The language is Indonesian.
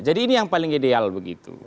jadi ini yang paling ideal begitu